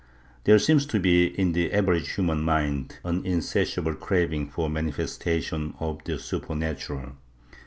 There seems to be, in the average human mind, an insatiable craving for manifestations of the supernatural.